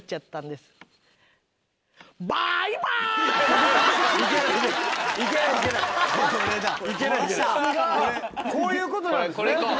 すごい！こういうことなんですね。